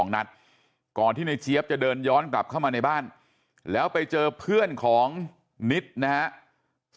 นัดก่อนที่ในเจี๊ยบจะเดินย้อนกลับเข้ามาในบ้านแล้วไปเจอเพื่อนของนิดนะครับ